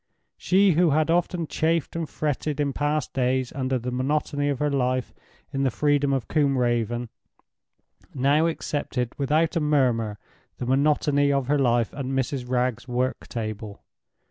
She who had often chafed and fretted in past days under the monotony of her life in the freedom of Combe Raven, now accepted without a murmur the monotony of her life at Mrs. Wragge's work table.